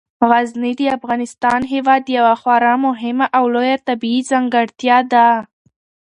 غزني د افغانستان هیواد یوه خورا مهمه او لویه طبیعي ځانګړتیا ده.